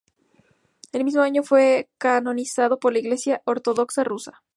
El mismo año fue canonizado por la Iglesia Ortodoxa Rusa.